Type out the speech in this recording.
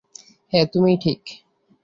হ্যাঁ, তুমিই ঠিক!